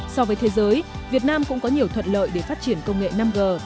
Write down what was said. so với thế giới việt nam cũng có nhiều thuận lợi để phát triển công nghệ năm g